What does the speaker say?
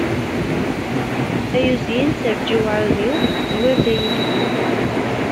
Ay uzyin serǧ i uɛudiw, zwir-d ay itbir.